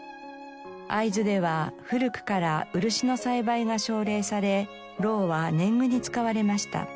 会津では古くから漆の栽培が奨励され蝋は年貢に使われました。